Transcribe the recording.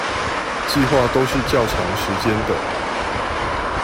計畫都是較長時間的